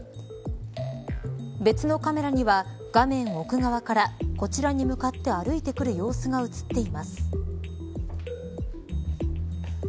別のカメラには画面奥側から、こちらに向かって歩いてくる様子が映っています。